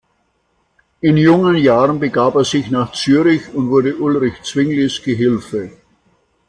In jungen Jahren begab er sich nach Zürich und wurde Ulrich Zwinglis Gehilfe.